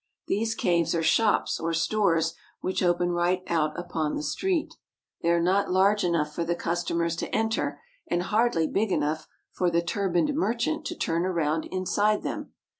These caves are shops or stores which open right out upon the street. They are not large enough for the customers to enter and hardly big enough for the turbaned merchant to turn around inside them.